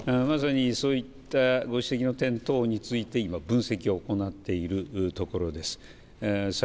まさにそういったご指摘の点等について今、分析を行っているところです。